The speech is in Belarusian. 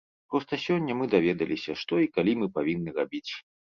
Проста сёння мы даведаліся, што і калі мы павінны рабіць.